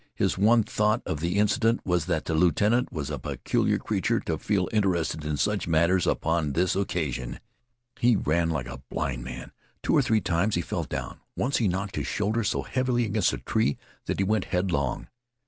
His one thought of the incident was that the lieutenant was a peculiar creature to feel interested in such matters upon this occasion. He ran like a blind man. Two or three times he fell down. Once he knocked his shoulder so heavily against a tree that he went headlong.